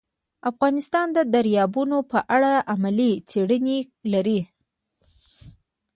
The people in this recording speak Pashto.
افغانستان د دریابونه په اړه علمي څېړنې لري.